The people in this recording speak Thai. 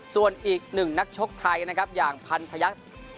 ส่วนอีกหนึ่งนักชกไทนะครับอย่างพันพญะจิตเบิร์งนล